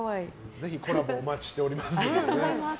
ぜひコラボお待ちしております。